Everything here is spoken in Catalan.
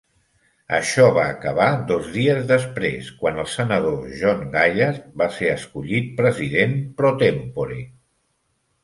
Això va acabar dos dies després, quan el senador John Gaillard va ser escollit president pro tempore.